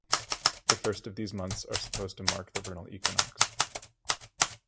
The first of these months are supposed to mark the vernal equinox.